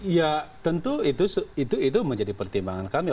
ya tentu itu menjadi pertimbangan kami